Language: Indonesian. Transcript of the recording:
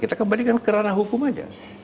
kita kembalikan ke ranah hukum aja